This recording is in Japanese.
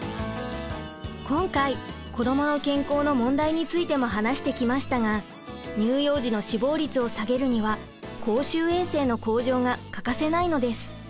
今回子どもの健康の問題についても話してきましたが乳幼児の死亡率を下げるには公衆衛生の向上が欠かせないのです。